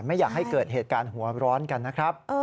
ไม่อยากให้เกิดเหตุการณ์หัวร้อนกันนะครับ